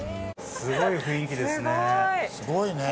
すごい雰囲気ですね。